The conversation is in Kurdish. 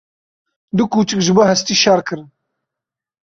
Du kûçik ji bo hestî şer kirin.